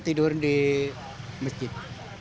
tidur di masjid